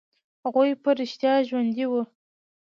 هغوى په رښتيا ژوندي وو.